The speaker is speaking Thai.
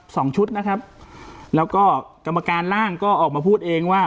สองชุดนะครับแล้วก็กรรมการร่างก็ออกมาพูดเองว่า